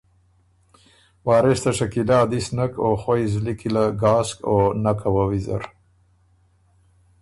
وارث ته شکیله ا دِس نک او خوئ زلی کی له ګاسک او نکه وه ویزر